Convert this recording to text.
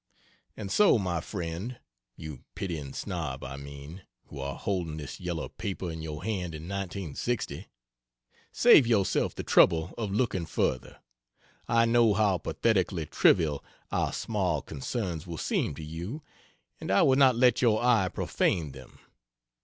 And so, my friend (you pitying snob, I mean, who are holding this yellow paper in your hand in 1960,) save yourself the trouble of looking further; I know how pathetically trivial our small concerns will seem to you, and I will not let your eye profane them.